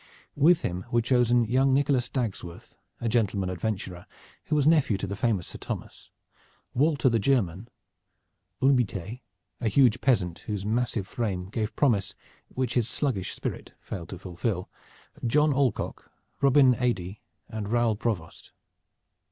With him were chosen young Nicholas Dagsworth, a gentleman adventurer who was nephew to the famous Sir Thomas, Walter the German, Hulbitee a huge peasant whose massive frame gave promise which his sluggish spirit failed to fulfil John Alcock, Robin Adey and Raoul Provost.